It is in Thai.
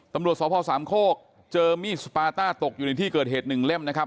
ตำรวจสพสามโคกเจอมีดสปาต้าตกอยู่ในที่เกิดเหตุหนึ่งเล่มนะครับ